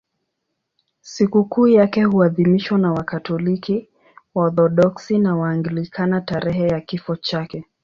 Sikukuu yake huadhimishwa na Wakatoliki, Waorthodoksi na Waanglikana tarehe ya kifo chake.